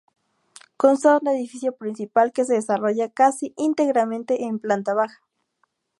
Consta de un edificio principal que se desarrolla casi íntegramente en planta baja.